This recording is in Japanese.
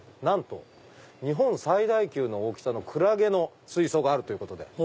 なんと日本最大級の大きさのクラゲの水槽があるということで。